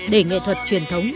để nghệ thuật truyền thống